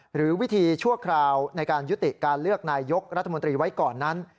หรือวิธีชั่วคราวในการยุติการเลือกนายยกรัฐมนตรีไว้ก่อนนั้น